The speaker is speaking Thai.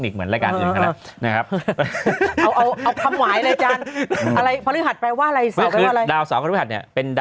๑๓ไหน